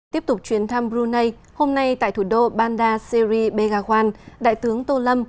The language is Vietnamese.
tiếp tục chuyến thăm brunei hôm nay tại thủ đô bandar seri begagwan đại tướng tô lâm